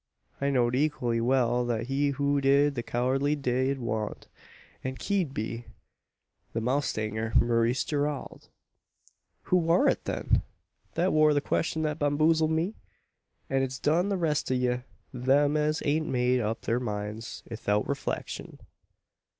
"I knowd equally well thet he who did the cowardly deed wan't, an kedn't be, the mowstanger Maurice Gerald. "Who war it, then? Thet war the questyun thet bamboozled me, as it's done the rest o' ye them as haint made up thur minds 'ithout reflekshun.